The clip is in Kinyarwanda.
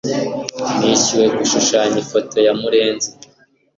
Nishyuwe gushushanya ifoto ya murenzi